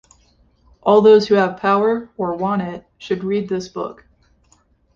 All those who have power - or want it - should read this book.